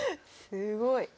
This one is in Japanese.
すごい。